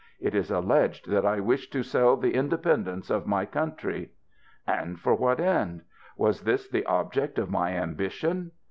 It is alleged that I wished to sell the independence of my country ! And for what end ? Was this the object of my ambition